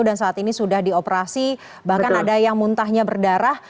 dan saat ini sudah dioperasi bahkan ada yang muntahnya berdarah